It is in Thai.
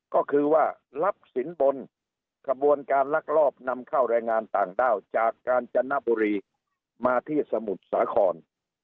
ก็คือว่ารับสินบนขบวนการลักลอบนำเข้าแรงงานต่างด้าวจากกาญจนบุรีมาที่สมุทรสาคร